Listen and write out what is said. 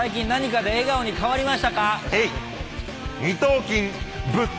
最近何かで笑顔に変わりましたか？